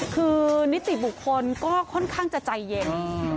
คือนิติบุคคลก็ค่อนข้างจะใจเย็น